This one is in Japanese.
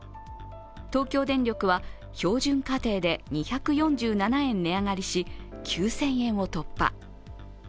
東京電力は、標準家庭で２４７円値上がりし、９０００円を突破。